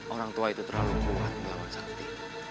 orang tua itu terlalu kuat melawan sakti